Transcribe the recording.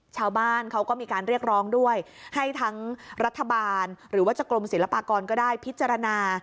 ชาวบ้านเขาก็มีการเรียกร้องด้วยให้ทั้งรัฐบาลหรือว่าจะกรมศิลปากรก็ได้พิจารณา